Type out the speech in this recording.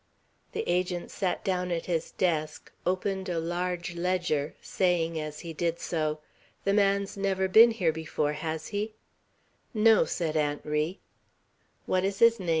The Agent sat down at his desk, opened a large ledger, saying as he did so, "The man's never been here before, has he?" "No," said Aunt Ri.